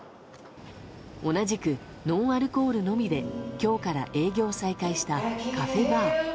同じく、ノンアルコールのみで今日から営業再開したカフェ・バー。